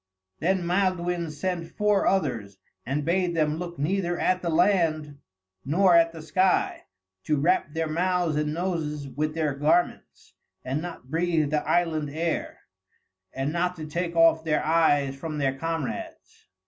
Then Maelduin sent four others, and bade them look neither at the land nor at the sky; to wrap their mouths and noses with their garments, and not breathe the island air; and not to take off their eyes from their comrades.